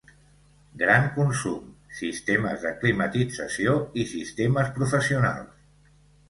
Gran consum, Sistemes de climatització i Sistemes professionals.